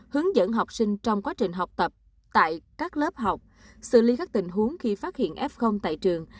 hướng dẫn học sinh trong quá trình học tập tại các lớp học xử lý các tình huống khi phát hiện f tại trường